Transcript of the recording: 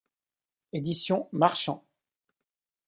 Éditions Marchant.